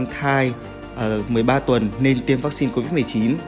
một mươi ba tuần nên tiêm vaccine covid một mươi chín